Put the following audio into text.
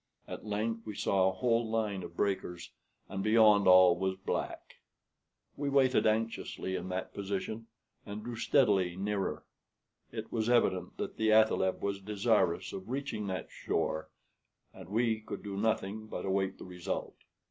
At length we saw a whole line of breakers, and beyond all was black. We waited anxiously in that position, and drew steadily nearer. It was evident that the athaleb was desirous of reaching that shore, and we could do nothing but await the result.